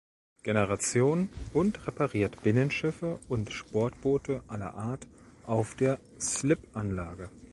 Generation und repariert Binnenschiffe und Sportboote aller Art auf der Slipanlage.